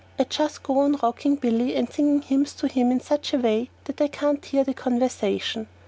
I just go on rocking Billy and singing hymns to him in such a way that I can't hear the conversation.